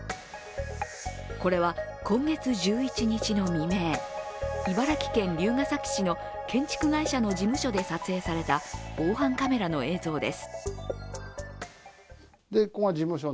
これは今月１１日の未明、茨城県龍ケ崎市の建築会社の事務所で撮影された防犯カメラの映像です。